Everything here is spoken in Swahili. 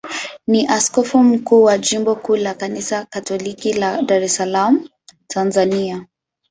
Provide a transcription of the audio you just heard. ni askofu mkuu wa jimbo kuu la Kanisa Katoliki la Dar es Salaam, Tanzania.